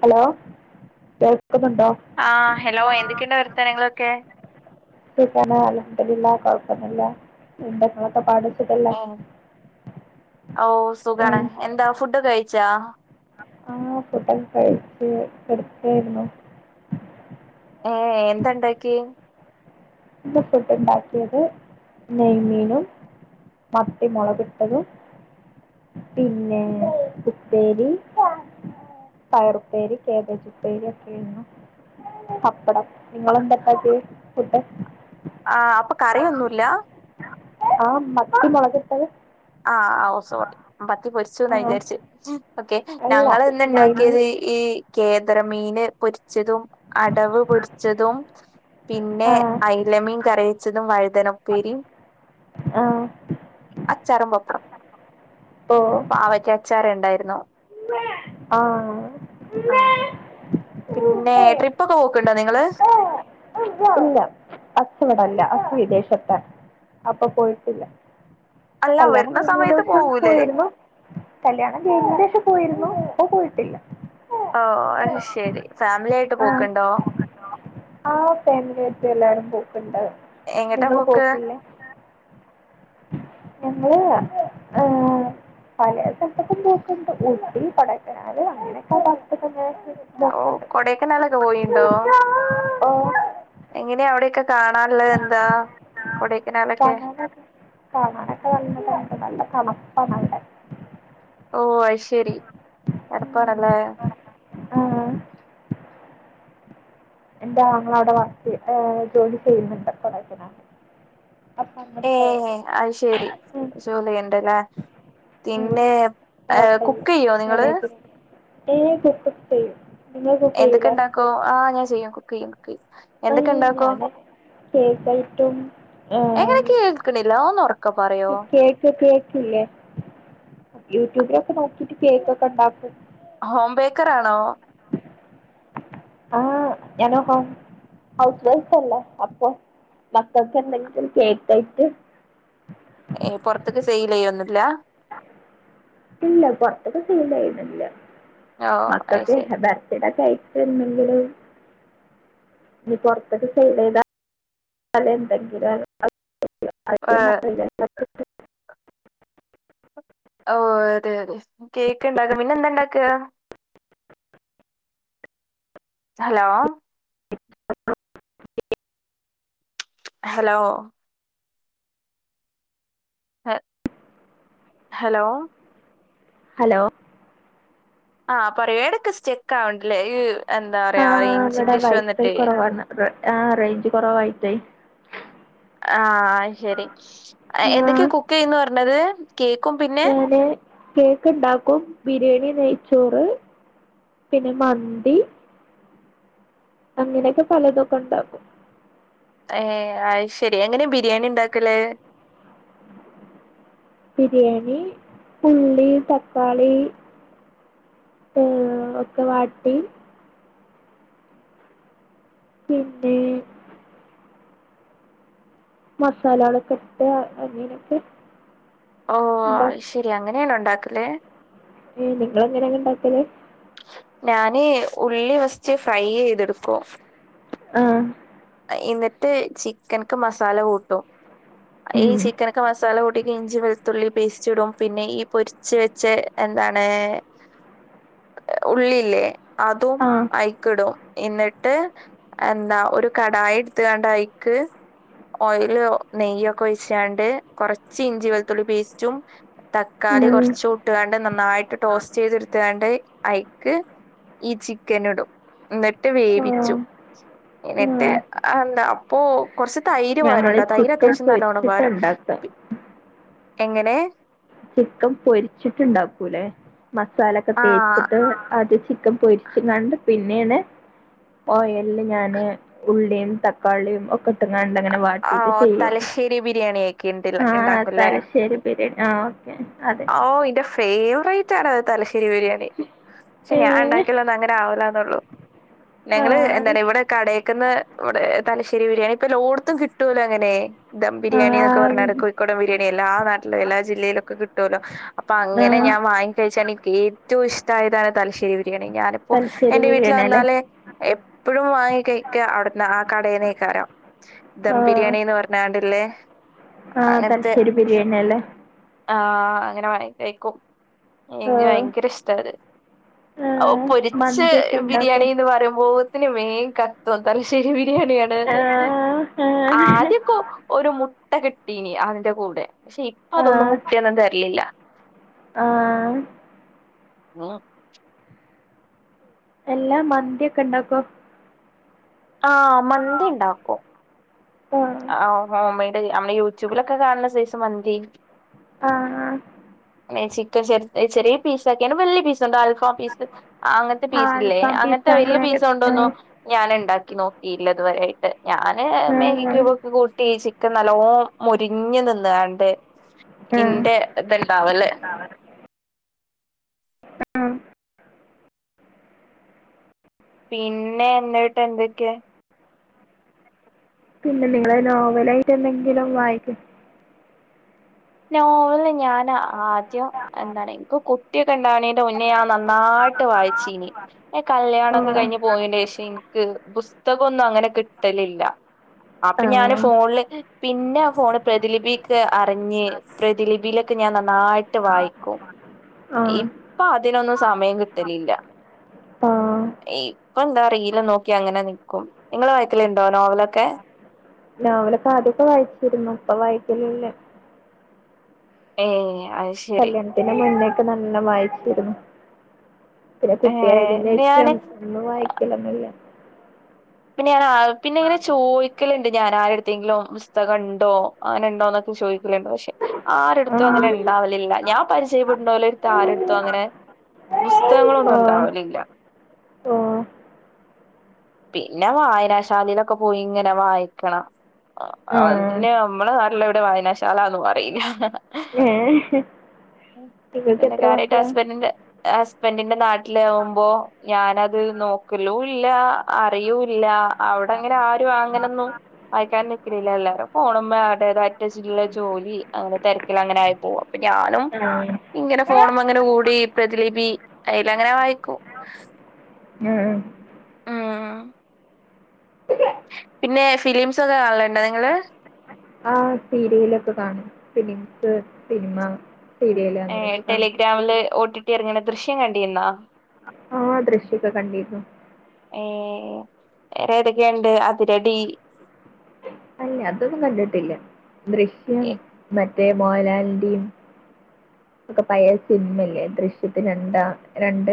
Hello കേൾക്കുന്നുണ്ടോ? ആഹ് hello എന്തെക്കെണ്ട് വർത്താനങ്ങളൊക്കെ? സുഖാണ് അൽഹംദുലില്ലാഹ് കൊഴപ്പന്നുല്ല. എന്താങ്ങളൊക്കെ പാട്? സുഖല്ലേ ഓഹ് സുഖാണ് ഉം. എന്താ ഫുഡ് കഴിച്ചാ? ആഹ് ഫുഡക്കെ കഴിച്ച് കെടക്കായിരുന്നു. ഏഹ് എന്തണ്ടാക്കിയേ? ന്ന് ഫുഡ് ണ്ടാക്കിയത് നെയ്മീനും മത്തി മൊളക്ട്ടതും പിന്നെ ഉപ്പേരി പയറുപ്പേരി, കേബേജുപ്പേരി ഒക്കെ ഇരുന്നു പപ്പടം നിങ്ങളെന്താപ്പാക്കി ഫുഡ്? ആഹ് അപ്പ കറിയൊന്നുല്ല. ആഹ് മത്തി മൊളക്ട്ടത്. ആഹ് ഓഹ് സോറി പത്തി പൊരിച്ചു ആ വിചാരിച്ചേ ഓക്കെ അല്ല ഞങ്ങള് ഇന്ന് നെയ്മീൻ ണ്ടാക്കിയത് ഈ കേദ്രമീന് പൊരിച്ചതും അടവ് പൊരിച്ചതും പിന്നെ ആ അയ്ലമീൻ കറിവെച്ചതും വഴുതനപ്പേരിയും ആഹ് ച്ചാറും ബപ്പടം പ്പോ പാവയ്ക്ക അച്ചാരണ്ടായിരുന്നു ആഹ് ആഹ് പിന്നെ ട്രിപ്പൊക്കെ പോക്ണ്ടോ നിങ്ങള് ഇല്ല ഹസ്സ്വ്ടല്ല ഹസ്സ് വിദേശത്ത അപ്പൊപോയിട്ടില്ല അല്ല കല്യാണം വരുന്ന സമയത്ത് കഴിഞ്ഞേനേസം പോവൂലേ പോയിരുന്നു കല്യാണം കഴിഞ്ഞേന്റെഷം പോയിരുന്നു ഇപ്പ പോയിട്ടില്ല ഓ അഹ്ശെരി ഫാമിലിആയിട്ട് പോക്ണ്ടോ ആഹ് ഫാമിലിയായ്ട്ട് എല്ലാരും പോക്ണ്ട് എങ്ങട്ടാ പോക്ക് ഞ്ഞങ്ങള് ഏഹ് പലേസ്ഥൽത്ക്കും പോക്ണ്ട് ഊട്ടി കൊടക്കെനാല് അങ്ങനെയൊക്കെ വത്തക്കപോക്ക്ണ് ഹലോ കൊടക്കനാലൊക്കെ പോയിണ്ടോ ഓ എങ്ങനെയ അവിടെക്കെ കാണാനുള്ള എന്താ കൊടക്കനാലൊക്കെ [unintelligible] കാണാനൊക്കെ നല്ലത്ണ്ട് നല്ലതണപ്പാണ് അവടെ ഓ അയ്ശരി തണപ്പാണല്ലേ ആഹ് എന്റെ ആങ്ങള അവിടെ വർക്കെയ്യ് ഏ ജോലിചെയ്യുന്നുണ്ട് കൊടെക്കനാല് ഏഹ് അത്ശരി ഉം ജോലിയ്ണ്ടല്ലേ ഉം പിന്നെ ഏ ഹോട്ടലിൽ കുക്ക്യ്യ നിങ്ങള് മാനേജ്മെന്റ് ഏഹ് കുക്കൊക് ചെയ്യും നിങ്ങൾ കുക്ക് ചെയ്യൂലേ എന്തക്കെണ്ടാക്കൂ ആ ഞാൻ ചെയ്യും കുക്ക്യ്യും കുക്ക്യ്യും ഇപ്പയ്ൻ ഞാന് കേക്കായിട്ടും ക്കിണില്ലാന്ന് ഒന്ന് ഒറക്കെ പറയോ കേക്കില്ലേ യൂട്യൂബിലൊക്കെ നോക്കിട്ട് കേക്കൊക്കെണ്ടാക്കും ഹോം ബേക്കറാണോ ആഹ് ഞാന് ഹോം ഹൗസ് വൈഫ് അല്ലേ അപ്പൊ മക്കൾക്കെന്തെങ്കിലും കേക്കായിട്ട് ഏഹ് പൊറത്ത്ക്ക് സെയിലെയ്യൊന്നുല്ല ഇല്ല പൊറത്ത്ക്ക് സെയിലെയ്യൊന്നില്ല ഓ അത് മക്കൾക്ക് ശരി ബർത്ത്ഡേക്കെ ആയിട്ട് പ്പ എന്നെങ്കില് ഇഞ് പൊർത്ക്ക് സൈലെയ്താ ഏ [unintelligible] ഓ അതെ അതെ കേക്ക്ണ്ടാക്കും പിന്നെ എന്താണ്ടാക്ക ഹലോ [unintelligible] ഹലോ. ഹ ഹലോ ഹലോ ആഹ് പറയൂ ഏടക്ക് സ്റ്റെക്ക് ആവ്ണ്ട്ലേ ആഹ് ഇവിടെ വൈഫൈ കുറവാണ് ആ റേഞ്ച് കുറവായിട്ടെയ് ആഹ് ശരി എന്തൊക്കെയ കുക്ക്യ്യുന്ന് പർഞ്ഞത് കേക്കും പിന്നെ ഞാന് കേക്ക്ണ്ടാക്കും ബിരിയാണി നെയ്ച്ചോറ് പിന്നെമന്തി അങ്ങനെയൊക്കെ പലതൊക്കെ ഇണ്ടാകും. ഏ അയ് ശരി എങ്ങനെ ബിരിയാണി ഇണ്ടാക്കല്? ബിരിയാണി ഉള്ളി തക്കാളി. ഏ ഒക്കെ വാട്ടി. പിന്നെ. മസാലാളൊക്കെ ഇട്ട് അങ്ങനൊക്കെ. ഓ അയ് ശരി അങ്ങനെയാണോ ഇണ്ടാക്കല്? നിങ്ങളെങ്ങനയാ ഇണ്ടാകല്? ഞാന് ഉള്ളി വസ്റ്റ് ഫ്രൈ ചെയ്തെടുക്കു. ആഹ് എന്നിട്ട് ചിക്കനിക്ക് മസാല കൂട്ടും ഈ ഉം ചിക്കൻ ക്കെ മസാല കൂടി ഇഞ്ചി വെളുത്തുള്ളി പേസ്റ്റ് ഇടും പിന്നെ ഈ പൊരിച്ച് വെച്ച എന്താണ്. ഉള്ളില്ലേ അതും ആ അയിക്കിടും. എന്നിട്ട് എന്താ ഒരു കടായി ഇടുത്തുകാണ്ടയ്ക്ക്. ഓയിൽ നെയ്യൊക്കെ ഒയിചാണ്ട് കൊറച്ച് ഇഞ്ചി വെളുത്തുള്ളി പേസ്റ്റും. തക്കാളി ഉം കുറച്ച് ട്ടുകാണ്ട് നന്നായിട്ട് ടോസ്റ്റ് ചെയ്തെടുത്താണ്ട്. ക്ക് ഈ ചിക്കൻ ഇടും എന്നിട്ട് ആ വേവിച്ചും ആ ങ്ങനൊക്കെ എന്താ അപ്പൊ കുറച്ച് തൈര് പാരു ഞങ്ങള് ട്ടോ തൈര് ചിക്കൻ അത്യാവശ്യം നല്ലവണ്ണം പൊരിച്ചിട്ട് പാരും. ഉണ്ടാക്ക എങ്ങനെ? ചിക്കൻ പൊരിച്ചിട്ടുണ്ടാക്കൂല്ലേ മസാല ഒക്കെ ആഹ് തേച്ചിട്ട് ആദ്യം ചിക്കൻ പൊരി പിന്നാണ്ട് പിന്നേണ്. ഓയല് ഞാന് ഉള്ളിയും തക്കാളിയും ഒക്കെ ഇട്ടങ്ങാണ്ട്. ഇങ്ങനെ വാട്ടീട്ട് ഓഹ് ചെയ. തലശ്ശേരി ബിരിയാണിയൊക്കെ ഇണ്ടില്ല ആഹ് ഇണ്ടാക്കുംല്ലേ? തലശ്ശേരി ബിരിയാണി ആഹ് മ് അതെ. ഓ ഇന്റെ ഫേവറേറ്റ് ആണത് തലശ്ശേരി ബിരിയാണി. പക്ഷെ ഞാൻ ഏ ഇണ്ടാക്കിയാലൊന്നും അങ്ങനെ ആവുലാന്നൊള്ളു. ആ ഞങ്ങള് എന്താണ് ഇവിടെ കടയിക്കുന്ന് ഇവിടെ തലശ്ശേരി ബിരിയാണി ഇപ്പ എല്ലോടത്തും കി ട്ടോലൊ അങ്ങനെ. ദം ആ ബിരിയാണീന്നൊക്കെ പറഞ്ഞാല് കോഴിക്കോടം ബിരിയാണി എല്ലാ നാട്ടിലും എല്ലാ ജില്ലയിലൊക്കെ കിട്ടോല്ലോ? അപ്പൊ അങ്ങനെ ആ ഞാൻ വാങ്ങി കഴിച്ചാണ് ഇൻക്കേറ്റോം ഇഷ്ടായതാണ് തലശ്ശേരി ബിരിയാണി. ഞാൻ പ്പൊ തലശ്ശേരി എന്റെ വീട്ടില് ബിരിയാണി അല്ലേ വന്നാല് എപ്പഴും വാങ്ങികഴിക്ക അവിടന്ന് ആ കടീന്നേക്കാരം. ദം ആ ബിരിയാണിന്ന് പറഞ്ഞാണ്ട്ല്ലേ ആഹ് അങ്ങൻത്തെ തലശ്ശേരി ബിരിയാണി അല്ലേ ആഹ് എങ്ങനെ വാങ്ങി കഴിക്കും. ഇൻക്ക് ആഹ് ഭയങ്കര ഇഷ്ടാത്. ഓഹ് ആഹ് പൊരിച്ച് മന്തിയൊക്കെ ഉണ്ടാക്കോ ബിരിയാണീന്ന് പറയുമ്പോ ത്തിന് വേം കത്തും അത് തലശ്ശേരി ബിരിയാണിയാണ്ന്ന്. ആഹ് ആഹ് ആദ്യക്കൊ ഒരു മുട്ട കിട്ടീനി അതിന്റെ കൂടെ. പക്ഷെ ഇപ്പൊ അതൊന്നും ആഹ് മുട്ടയൊന്നും തരിലില്ല. ആഹ്. [unintelligible] എല്ലാ മന്തിയൊക്കെ ഇണ്ടാക്കോ? ആഹ്. ആഹ് ആഹ്, ഉം. ആ ഹോ ഹോമെയ്ഡ് മ്മള് യൂട്യൂബിലൊക്കെ കാണ്ണ സൈസ് മന്തി ആഹ് ആഹ്. ന്നെ ചിക്കൻ ചെർ ചെറിയ പീസാക്കിയാണ് വല്ല്യ പീസ്ണ്ട് അൽഫാം പീസ് അങ്ങത്തെ ആഹ് പീസ്സിലേ അൽഫാം പിസ്സ അങ്ങത്തെ വലിയ അങ്ങനെയൊക്കെ പീസ് കണ്ടോന്നോ ആഹ് ഞാന്ണ്ടാക്കി നോക്കിയില്ലതുവരായിട്ട്. ഞാന് മൈ- ആഹ് ക്ക്‌ കൂട്ടി ചിക്കൻ നല്ലോം മൊരിഞ്ഞ് നിന്ന്കാണ്ട് ആഹ് ഇന്റെ ഇത്ണ്ടാവല്ലെ ഉം ഉം. പിന്നെ ന്നിട്ടെന്തൊക്കെ? പിന്നെ നിങ്ങള് നോവലായിട്ട് എന്തെങ്കിലും വായിക്കല് നോവല് ഞാന് ആദ്യം എന്താണ് ഇൻക്ക് കുട്ടിയൊക്കെ ഇണ്ടണീന്റെ മുന്നേ ഞാൻ നന്നായിട്ട് വായിച്ചീന്. പിന്നെ കല്യാണൊക്കെ ആഹ് കഴിഞ്ഞ് പോയേന്റെഷം ഇൻക്ക് പുസ്തകൊന്നും അങ്ങനെ കിട്ടലില്ല. അപ്പൊ ഞാന് ആഹ് ഫോണില് പിന്നെ ഫോണ് പ്രതിലിപീക്കെ അറിഞ്ഞ് പ്രതിലിപീലൊക്കെ ഞാൻ നന്നായിട്ട് വായിക്കും. ഈ ആഹ് പ്പൊ അതിനൊന്നും സമയം കിട്ടലില്ല. ആഹ് ഈ ഇപ്പൊന്താ റീലും നോക്കി അങ്ങനെ നിക്കും. നിങ്ങള് വായ്ക്കല്ണ്ടോ നോവലൊക്കെ? നോവലൊക്കെ ആദ്യൊക്കെ വായിച്ചിരുന്നു ഇപ്പൊ വായ്ക്കലില്ല. ഏഹ് അയ്ശെ കല്യാണത്തിന്റെ മുന്നേക്കെ നല്ലം വായിച്ചിരുന്നു. പിന്നെ ഏ കുട്ടിയായതിന്റെഷം ഞാന് ഒന്നും വായിക്കലൊന്നുല്ല. പിന്നെ ഞാനാ പിന്നെ ഇങ്ങനെ ചോയ് ക്കല്ണ്ട് ഞാൻ ആരേട്ടുത്തേങ്കിലും പുസ്തകണ്ടോ അങ്ങനെണ്ടോന്നൊക്കെ ചൊയ് ക്കല്ണ്ട്. പക്ഷെ ആ ആരട്ത്തും അങ്ങനെ ഇണ്ടാവലില്ല ഞാൻ പരിചയപ്പെടുന്നോലേട്ത്ത് ആരട്ത്തും അങ്ങനെ പുസ്തകങ്ങളൊന്നും ഇണ്ടാവലില്ല. ഓഹ്. പിന്നെ വായനാശാലീലൊക്കെ പോയി ഇങ്ങനെ വായിക്കണം. ആഹ് ആ അത് പിന്നെ നമ്മളെ നാട്ടിലെവിടെ വായനാശാലാന്നും അറീല്ല. ഏ നിങ്ങൾക്ക് പിന്നെ എത്ര കാര്യായിട്ട് മക്കളാ ഹസ്ബൻഡ്ന്റെ ഹസ്ബൻഡിന്റെ നാട്ടിലാവുമ്പോ ഞാനത് നോക്കലൂല്ലാ. അറിയൂല്ല അവ്ടെങ്ങനെ ആരും അങ്ങനൊന്നും വായിക്കാൻ നിക്കലില്ല എല്ലാരും ഫോണ്മ്മേ അടേത് അവര്ടേതായ്ട്ട്ള്ള ജോലി അങ്ങനെ തെരക്കിലങ്ങനായി പോവും. അപ്പൊ ഞാനും ഇങ്ങനെ ഫോണ്മ്മെങ്ങനെ കൂടി പ്രതിലിപി അയ്ലങ്ങനെ വായിക്കും. ഉം. ഉം [inaudible] പിന്നെ ഫിലിംസൊക്കെ കാണല്ണ്ടോ നിങ്ങള്? ആഹ സീരിയലൊക്കെ കാണും ഫിലിംസ് സിനിമ ഏഹ കാണും ടെലിഗ്രാമില് ഓട്ടിട്ട് ഇറങ്ങണ ദൃശ്യം കണ്ടിന്നാ ആഹ ദൃശ്യക്ക് കണ്ടിരുന്നു ഏഹ വറെ ഏതൊക്കെയുണ്ട് അതിരടി അല്ലെ അതൊന്നും കണ്ടിട്ടില്ല ദൃശ്യം മറ്റേ മോഹലാലിന്റെയും ഒക്കെ പയ സിനിമ ഇല്ലേ ദൃശ്യത്തിന് രണ്ടാ രണ്ട്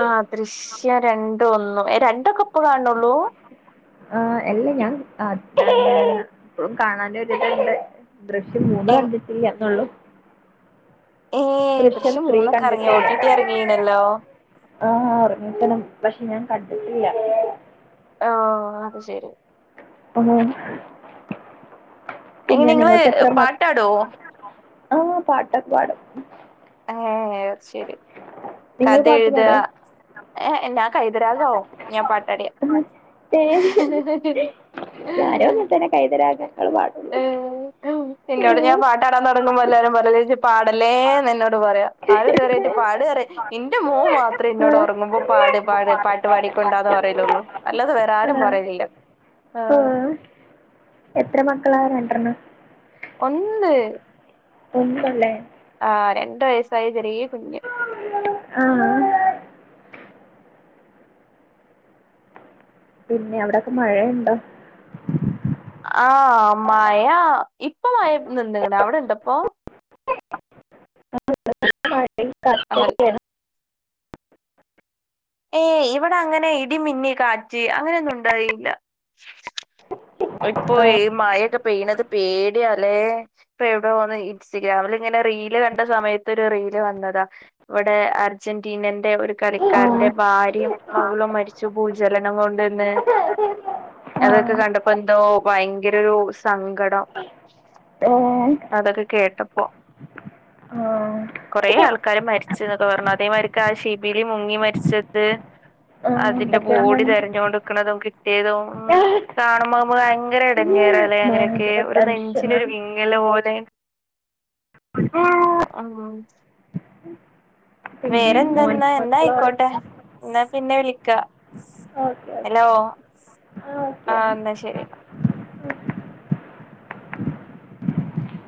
ആഹ ദൃശ്യം രണ്ട ഒന്നും രണ്ടോ കെ ഇപ്പം കാണണള്ളൂ ആഹ അല്ല ഞാൻ എപ്പോഴും കാണൻ ഒരുരിതണ്ട് ദൃശ്യം മൂന്ന് എ കണ്ടിട്ടില്ല എന്നള്ളു ഏഹ് ദൃശ്യം ത്രീ മൂന്നൊക്കെ ഇറങ്ങി ഒ കണ്ടിട്ടില്ല ടി ടി ഇറങ്ങീണല്ലോ ആഹ ഇറങ്ങിക്കണ് പക്ഷെ ഞാൻ കണ്ടിട്ടില്ല ഓഹ അത് ശെരി ഉം എങ്ങനെ പിന്നെ നിങ്ങള് നിങ്ങൾക്ക് എത്രമക പാട്ടാടുവോ ആഹ പാട്ടകേ പാടും ഏഹ ശരി നിങ്ങള് കഥ എഴുത എന്നാ [inaudible] ഏഹ ഞാനോ ഒന്ന തന്നെ കൈതരാക ഞങ്ങൾ പാടുള്ള ഉം കടന്ന് ഉറങ്ങുമ്പോ എല്ലാവരുംപറയൂ ചേച്ചി പാടലേന്ന് പറയാ ആര തരായിട്ട് പാട ഇന്റെ മോ മാത്രം ഇന്നോട് ആഹ് ഉറങ്ങുപോ പാട് പാട് പ പട്ട് പാടി കോണ്ടാന്ന് പറലുള്ളൂ അല്ലാതെ വേറെ ആരും പറയില്ല ആഹ ആഹ് എത്ര മക്കളാണ് രണ്ടണ്ണം ഒന്ന് ഒന്ന്ള്ളേ ആഹ് രണ്ട് വയസ്സായി ചെറിയ കുഞ്ഞ് ആഹ് പിന്നെ അവിടെക്കെ മഴയുണ്ടോ ആഹ് മായ ഇപ്പൊ മഴ നിന്ന്കണ് അവിടെ ഇണ്ട്പ്പൊ [inaudible] അൽ ഏയ് ഇവിടെ അങ്ങനെ ഇടിമിന്നി കാറ്റി അങ്ങനെയൊന്നും ഉണ്ടറിയില്ല ഇപ്പൊ ഈ ആഹ് മഴൊക്കെ പെയ്യണത് പേടിയല്ലേ ഇപ്പൊ എവിടൊ ഈ ഇൻസ്റ്റഗ്രാമിൽ ഇങ്ങനെ റീല് കണ്ട സമയത്ത് ഒരു റീല് വന്നതാ ഇവിടെ അർജന്റീനന്റെ ഒരു കളിക്കാരന്റെ ആഹ് ഭാര്യയും മകളും മരിച്ചു ഭൂചലനം കൊണ്ടന്ന് അതൊക്കെ ആഹ് കണ്ടപ്പോ എന്തോ ഭയങ്കര ഒരു സങ്കടം ഏഹ് അതൊക്കെ കേട്ടപ്പോ ആഹ് കുറെ ആൾക്കാര് മരിച്ചൊക്കെ പറഞ്ഞ അതേ മാതിരി ആഹ് ശിബിലി മുങ്ങി മരിച്ചത് ആഹ് അതിന്റെ എന്തൊക്കെയാ ബോഡി തിരഞ്ഞോണ്ട് നിക്കണതും കിട്ടിയതും കാണുമ്പോകുമ്പോ ഭയങ്കര ടങ്ങേറല അങ്ങനെയൊക്കെ ഭയങ്കര ഒരു നെഞ്ചിനരു ടെൻഷനാണ് വിങ്ങലപോലെ ഓ ആഹ് പിന്നെ മോൻ വേറെന്തെന്നാ എന്ന മക്കൾ ആയിക്കോട്ടെ ഉറങ്ങിയോ എന്നാ പിന്നെ വിളിക്കാ ഓക്കെ ഓക്കെ ഹലോ ആ ഓക്കെ ആഹ് എന്നാൽ എന്നാ ശരി